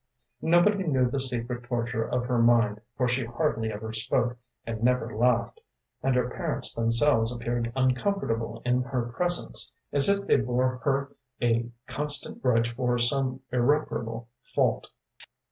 “Nobody knew the secret torture of her mind, for she hardly ever spoke, and never laughed, and her parents themselves appeared uncomfortable in her presence, as if they bore her a constant grudge for some irreparable fault.